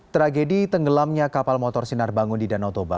tragedi tenggelamnya kapal motor sinar bangun di danau toba